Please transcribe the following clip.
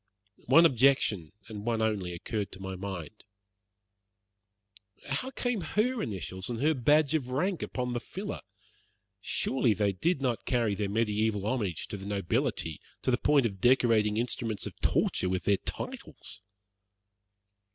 One objection, and one only, occurred to my mind. "How came her initials and her badge of rank upon the filler? Surely they did not carry their mediaeval homage to the nobility to the point of decorating instruments of torture with their titles?"